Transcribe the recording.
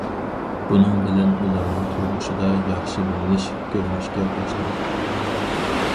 بۇنىڭ بىلەن ئۇلارنىڭ تۇرمۇشىدا ياخشىلىنىش كۆرۈلۈشكە باشلىدى.